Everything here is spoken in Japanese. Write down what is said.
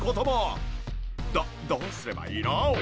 どどうすればいいの？